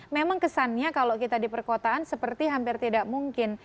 memang kesannya kalau kita di perkotaan seperti hampir tidak mungkin